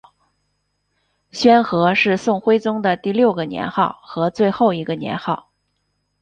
宣和是宋徽宗的第六个年号和最后一个年号。